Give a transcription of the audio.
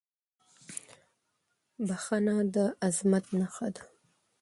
• بښنه د عظمت نښه ده.